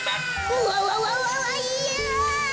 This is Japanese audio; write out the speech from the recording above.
うわわわわいや。